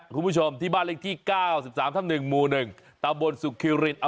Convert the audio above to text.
คุณผู้ชมที่บ้านเล็กที่เก้า๑๓๑มู๑ตามบนสุคิวรินทร์